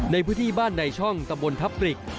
ในพื้นที่บ้านในช่องตำบลทับปริก